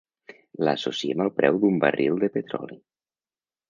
L'associem al preu d'un barril de petroli.